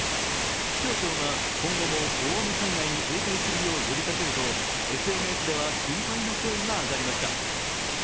気象庁が今後も大雨災害に警戒するよう呼びかけるとＳＮＳでは心配の声が上がりました。